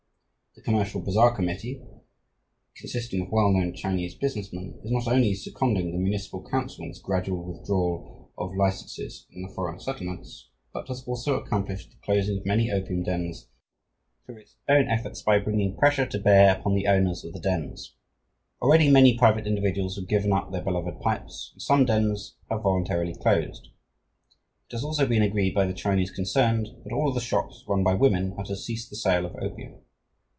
The Commercial Bazaar Committee, consisting of well known Chinese business men, is not only seconding the Municipal Council in its gradual withdrawal of licenses in the foreign settlements but has also accomplished the closing of many opium dens through its own efforts by bringing pressure to bear upon the owners of the dens. Already, many private individuals have given up their beloved pipes and some dens have voluntarily closed. It has also been agreed by the Chinese concerned that all of the shops run by women are to cease the sale of opium.